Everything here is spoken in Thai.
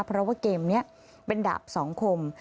เพราะว่าเกมนี้เป็นดาบสองคม